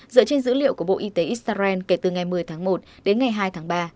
dựa trên dữ liệu của bộ y tế israel kể từ ngày một mươi tháng một đến ngày hai tháng ba